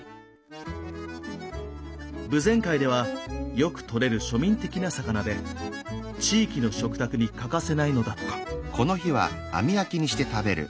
豊前海ではよくとれる庶民的な魚で地域の食卓に欠かせないのだとか。